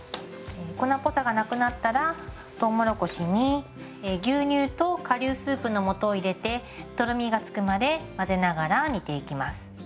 粉っぽさがなくなったらとうもろこしに牛乳と顆粒スープの素を入れてとろみがつくまで混ぜながら煮ていきます。